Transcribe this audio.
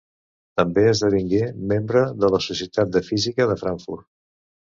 També esdevingué membre de la Societat de Física de Frankfurt.